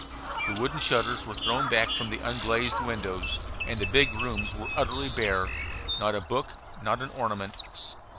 The wooden shutters were thrown back from the unglazed windows, and the big rooms were utterly bare not a book, not an ornament.